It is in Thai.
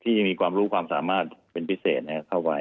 ที่จึงมีความรู้ความสามารถสำบัดพิเศษครับเข้าไว้